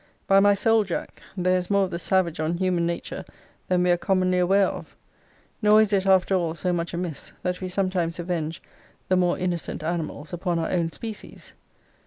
By my soul, Jack, there is more of the savage on human nature than we are commonly aware of. Nor is it, after all, so much amiss, that we sometimes avenge the more innocent animals upon our own species.